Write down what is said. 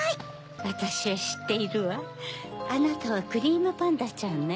わたしはしっているわあなたはクリームパンダちゃんね。